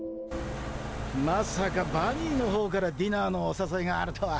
まさかバニーのほうからディナーのお誘いがあるとは。